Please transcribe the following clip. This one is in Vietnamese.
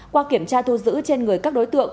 qua kiểm tra thu giữ trên người các đối tượng